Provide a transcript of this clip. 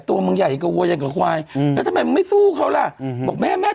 ตัวมันใหญ่ก็เว้ยอย่างกับควายแล้วทำไมมันไม่สู้เขาล่ะบอกแม่แม่